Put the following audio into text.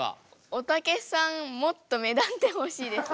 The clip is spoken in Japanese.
おたけさんもっと目立ってほしいです。